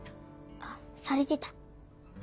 あされてた。